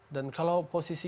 dan kalau posisi